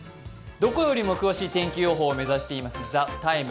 どこよりも詳しい天気予報を目指しています「ＴＨＥＴＩＭＥ，」。